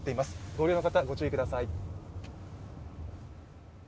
ご利用の方、ご注意ください。